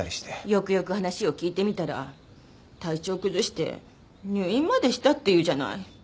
よくよく話を聞いてみたら体調崩して入院までしたっていうじゃない。